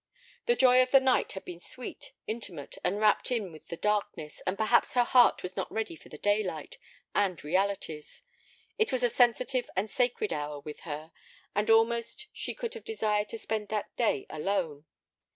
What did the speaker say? The joy of the night had been sweet, intimate, and wrapped in the darkness, and perhaps her heart was not ready for the daylight—and realities. It was a sensitive and sacred hour with her, and almost she could have desired to spend that day alone.